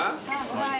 はい。